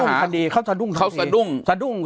ปากกับภาคภูมิ